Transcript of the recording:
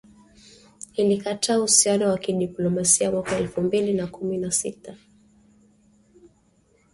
ilikata uhusiano wa kidiplomasia mwaka elfu mbili na kumi na sita